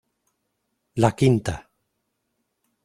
La quinta.